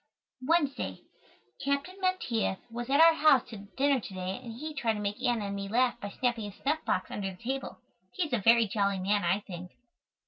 Wednesday. Captain Menteith was at our house to dinner to day and he tried to make Anna and me laugh by snapping his snuff box under the table. He is a very jolly man, I think.